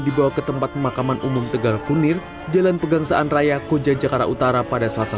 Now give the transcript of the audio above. dibawa ke tempat pemakaman umum tegal kunir jalan pegangsaan raya koja jakarta utara pada selasa